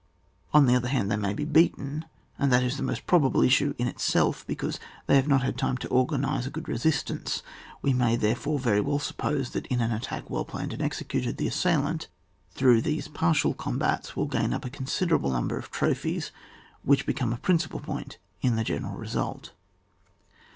On the other hand, they may be beaten, and that is the most probable issue in itself, because they have not time to organise a good resistanca We may, therefore, very well suppose that in an attack well planned and executed, the assailant through these partial combats will gather up a considerable number of trophies,, which become a principal point in the general result.